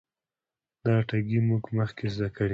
دا ټګي موږ مخکې زده کړې.